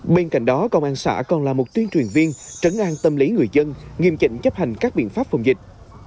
bên cạnh đó công an xã còn là một tuyên truyền viên trấn an tâm lý người dân nghiêm chỉnh chấp hành các biện pháp phòng dịch